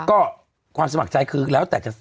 ก็ความสมัครใจคือแล้วแต่จะ